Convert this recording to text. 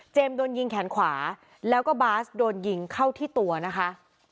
โดนยิงแขนขวาแล้วก็บาสโดนยิงเข้าที่ตัวนะคะ